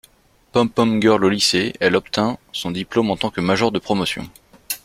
Pom-pom girl au lycée, elle obtint son diplôme en tant que major de promotion.